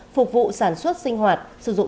phục vụ sản xuất sinh hoạt sử dụng